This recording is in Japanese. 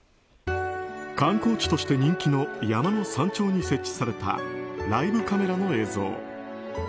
観光地として人気の山の山頂に設置されたライブカメラの映像。